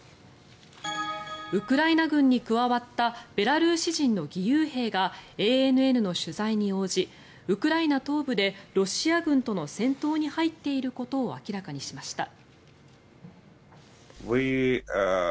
ウクライナ軍に加わったベラルーシ人の義勇兵がＡＮＮの取材に応じウクライナ東部でロシア軍との戦闘に入っていることを明らかにしました。